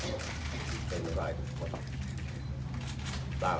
สวัสดีครับ